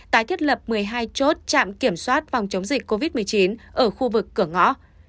tái thiết lập một mươi hai chốt trạm kiểm soát phòng chống dịch covid một mươi chín ở khu vực cửa ngõ